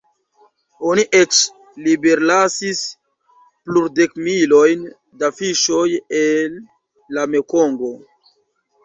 Oni eĉ liberlasis plurdekmilojn da fiŝoj en la Mekongo.